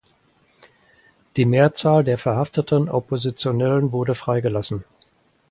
Die Mehrzahl der verhafteten Oppositionellen wurde freigelassen.